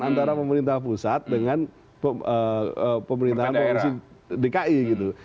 antara pemerintah pusat dengan pemerintahan provinsi dki gitu